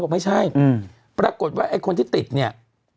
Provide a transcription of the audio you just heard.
เขาบอกไม่ใช่ปรากฏว่าคนที่ติดเนี่ย